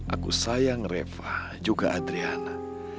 aku sayang reva juga adriana